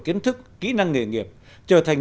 kiến thức kỹ năng nghề nghiệp trở thành